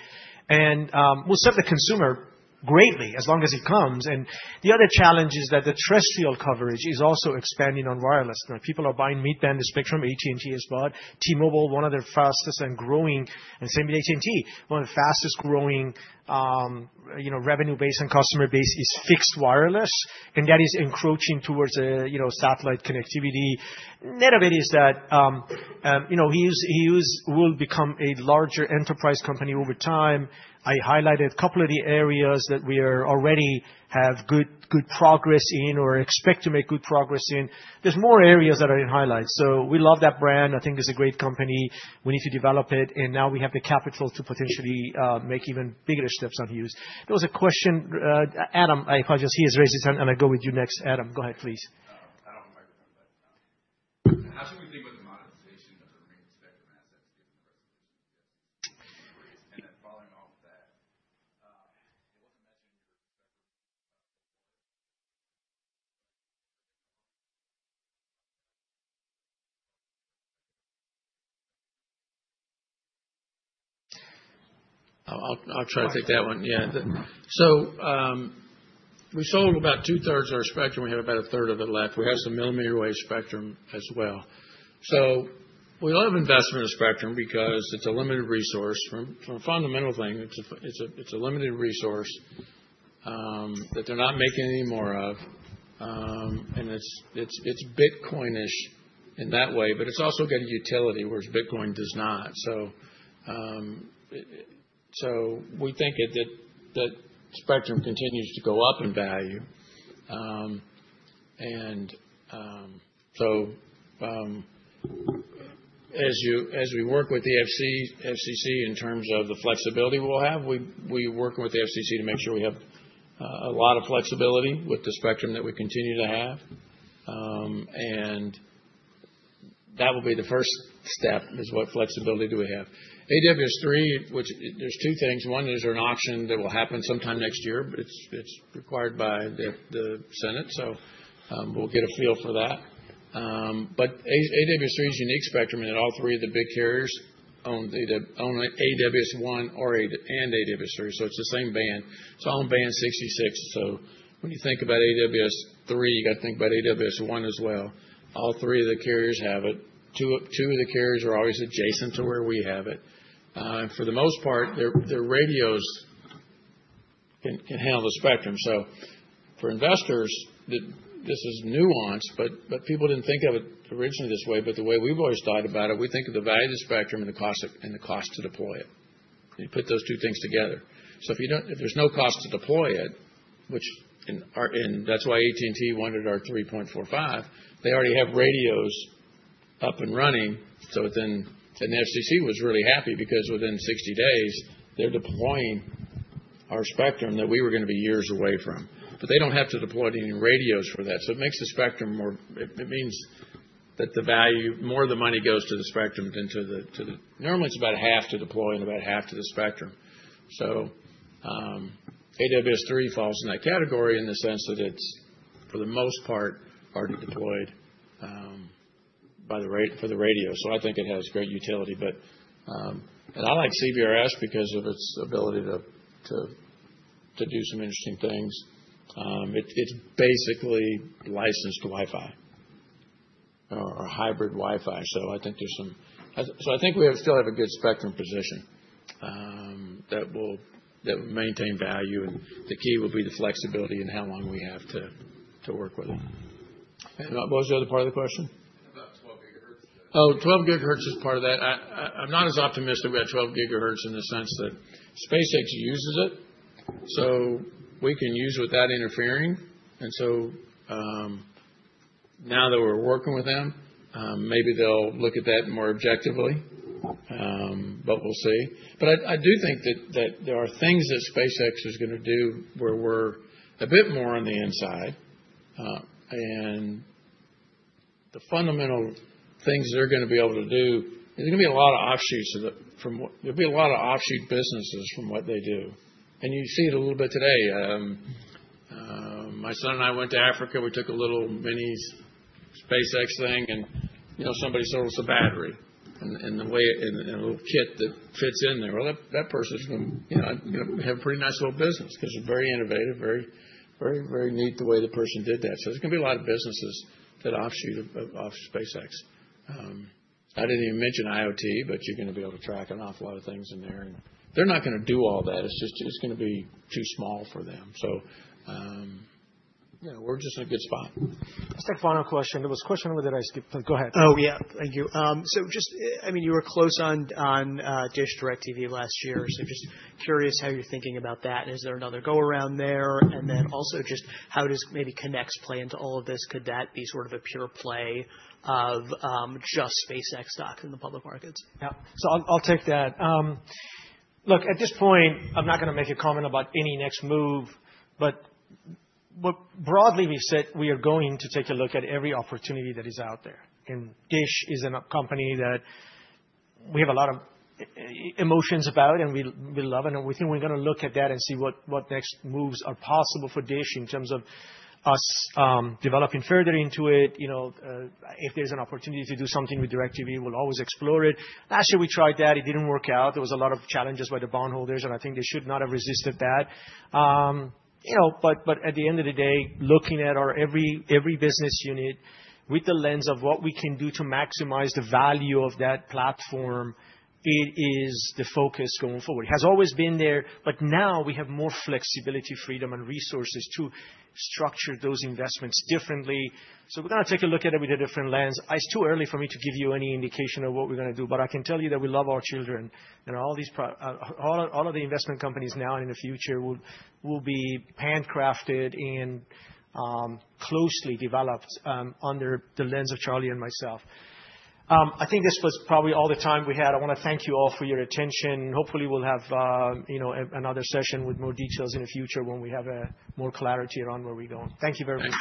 and we'll serve the consumer greatly as long as it comes, and the other challenge is that the terrestrial coverage is also expanding on wireless. People are buying mid-band spectrum. AT&T has bought T-Mobile, one of the fastest and growing, and same with AT&T, one of the fastest growing revenue base and customer base is fixed wireless, and that is encroaching towards satellite connectivity. Net of it is that Hughes will become a larger enterprise company over time. I highlighted a couple of the areas that we already have good progress in or expect to make good progress in. There's more areas that are in highlights, so we love that brand. I think it's a great company. We need to develop it. And now we have the capital to potentially make even bigger steps on Hughes. There was a question. Adam, I apologize. He has raised his hand, and I'll go with you next. Adam, go ahead, please. Adam, hit the microphone button. How should we think about the modernization of the RAN spectrum assets given the resolution of the business? And then following off that, it wasn't mentioned in your 10-K report. I'll try to take that one. Yeah. So we sold about two-thirds of our spectrum. We have about a third of it left. We have some millimeter wave spectrum as well. So we love investment in spectrum because it's a limited resource. From a fundamental thing, it's a limited resource that they're not making any more of. And it's Bitcoin-ish in that way. But it's also got a utility, whereas Bitcoin does not. So we think that spectrum continues to go up in value. And so as we work with the SEC in terms of the flexibility we'll have, we're working with the SEC to make sure we have a lot of flexibility with the spectrum that we continue to have. And that will be the first step, is what flexibility do we have? AWS-3, there's two things. One is an auction that will happen sometime next year, but it's required by the Senate. So we'll get a feel for that. But AWS-3 is unique spectrum in that all three of the big carriers own AWS-1 and AWS-3. So it's the same band. It's all in band 66. So when you think about AWS-3, you got to think about AWS-1 as well. All three of the carriers have it. Two of the carriers are always adjacent to where we have it. For the most part, their radios can handle the spectrum. So for investors, this is nuanced, but people didn't think of it originally this way. But the way we've always thought about it, we think of the value of the spectrum and the cost to deploy it. You put those two things together. So if there's no cost to deploy it, which that's why AT&T wanted our 3.45, they already have radios up and running. So then the SEC was really happy because within 60 days, they're deploying our spectrum that we were going to be years away from. But they don't have to deploy any radios for that. So it makes the spectrum more. It means that the value, more of the money goes to the spectrum than normally. It's about half to deploy and about half to the spectrum. So AWS-3 falls in that category in the sense that it's, for the most part, already deployed for the radio. So I think it has great utility. And I like CBRS because of its ability to do some interesting things. It's basically licensed Wi-Fi or hybrid Wi-Fi. So I think we still have a good spectrum position that will maintain value. And the key will be the flexibility and how long we have to work with it. And what was the other part of the question? How about 12 gigahertz? Oh, 12 gigahertz is part of that. I'm not as optimistic about 12 gigahertz in the sense that SpaceX uses it. We can use it without interfering. And so now that we're working with them, maybe they'll look at that more objectively. But we'll see. But I do think that there are things that SpaceX is going to do where we're a bit more on the inside. And the fundamental things they're going to be able to do, there's going to be a lot of offshoots from that. There'll be a lot of offshoot businesses from what they do. And you see it a little bit today. My son and I went to Africa. We took a little mini SpaceX thing, and somebody sold us a battery in a little kit that fits in there. That person's going to have a pretty nice little business because they're very innovative, very, very neat the way the person did that. So there's going to be a lot of businesses that offshoot of SpaceX. I didn't even mention IoT, but you're going to be able to track an awful lot of things in there. And they're not going to do all that. It's going to be too small for them. So we're just in a good spot. Just a final question. There was a question over that I skipped. But go ahead. Oh, yeah. Thank you. So just, I mean, you were close on DISH DIRECTV last year. So just curious how you're thinking about that. Is there another go-around there? And then also just how does maybe CONX play into all of this? Could that be sort of a pure play of just SpaceX stock in the public markets? Yeah. So I'll take that. Look, at this point, I'm not going to make a comment about any next move. But broadly, we said we are going to take a look at every opportunity that is out there. And DISH is a company that we have a lot of emotions about, and we love. And we think we're going to look at that and see what next moves are possible for DISH in terms of us developing further into it. If there's an opportunity to do something with DIRECTV, we'll always explore it. Last year, we tried that. It didn't work out. There was a lot of challenges by the bondholders, and I think they should not have resisted that. But at the end of the day, looking at our every business unit with the lens of what we can do to maximize the value of that platform, it is the focus going forward. It has always been there. But now we have more flexibility, freedom, and resources to structure those investments differently. So we're going to take a look at it with a different lens. It's too early for me to give you any indication of what we're going to do. But I can tell you that we love our children. And all of the investment companies now and in the future will be handcrafted and closely developed under the lens of Charlie and myself. I think this was probably all the time we had. I want to thank you all for your attention. Hopefully, we'll have another session with more details in the future when we have more clarity around where we're going. Thank you very much.